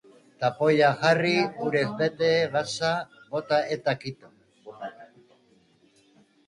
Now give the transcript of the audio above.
Tapoia jarri, urez bete, gatza bota eta kito.